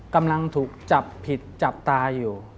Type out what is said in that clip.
กำลังถูกจับผิดจับตาอยู่